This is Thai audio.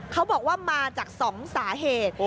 เขาบอกว่ามาจาก๒สาเหตุ